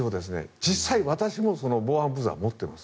実際に私も防犯ブザーを持っています。